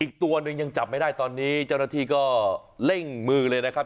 อีกตัวหนึ่งยังจับไม่ได้ตอนนี้เจ้าหน้าที่ก็เร่งมือเลยนะครับ